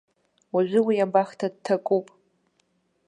Уажәы уи абахҭа дҭакуп.